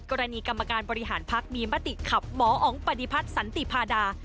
กรณีกรรมการบริหารพักมีมติขับหมออ๋องปฏิพัฒน์สันติพาดา